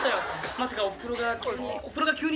まさかおふくろが急に。